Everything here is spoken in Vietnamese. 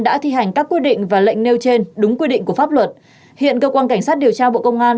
đã thi hành các quy định và lệnh nêu trên đúng quy định của pháp luật hiện cơ quan cảnh sát điều tra bộ công an